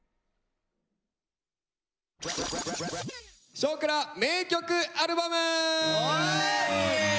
「少クラ名曲アルバム」。